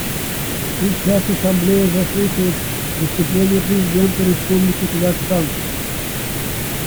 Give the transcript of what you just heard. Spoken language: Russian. Сейчас Ассамблея заслушает выступление президента Республики Казахстан.